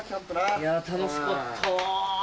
いや楽しかったわ。